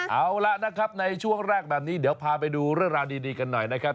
เอาละนะครับในช่วงแรกแบบนี้เดี๋ยวพาไปดูเรื่องราวดีกันหน่อยนะครับ